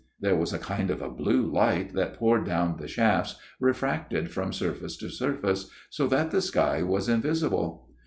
There was a kind of blue light that poured down the shafts, refracted from surface to surface ; so that the sky was invisible.